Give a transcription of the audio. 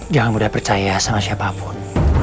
jangan mudah percaya sama siapapun